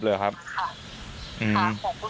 พร้อมกับข้อความ